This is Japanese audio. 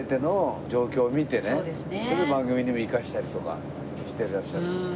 それで番組にも生かしたりとかしていらっしゃる。